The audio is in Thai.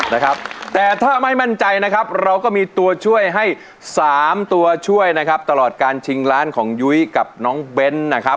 นะครับแต่ถ้าไม่มั่นใจนะครับเราก็มีตัวช่วยให้สามตัวช่วยนะครับตลอดการชิงล้านของยุ้ยกับน้องเบ้นนะครับ